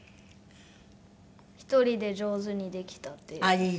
１人で上手にできたって言います。